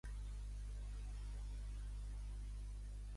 Jo sóc un traïdor al racisme identitari que creeu, va dir.